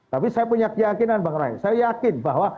tapi saya punya keyakinan pak heru saya yakin bahwa